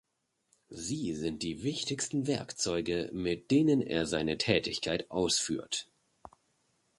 Sie sind die wichtigsten Werkzeuge, mit denen er seine Tätigkeit ausführt.